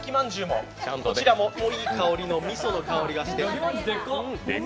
こちらもいい香りの、みその香りがして。